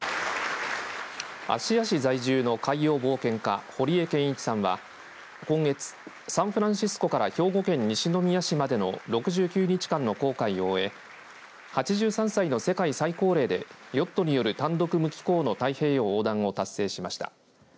芦屋市在住の海洋冒険家堀江謙一さんは今月サンフランシスコから兵庫県西宮市までの６９日間の航海を終え８３歳の世界最高齢でヨットによる単独無寄港の太平洋横断を達成しました。